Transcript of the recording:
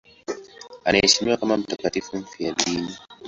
Anaheshimiwa kama mtakatifu mfiadini.